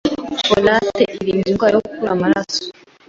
Folate irinda indwara yo kubura amaraso